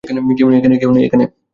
কেউ নেই এখানে।